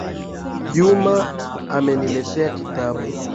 Juma ameniletea kitabu.